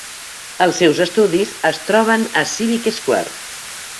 Els seus estudis es troben a Civic Square.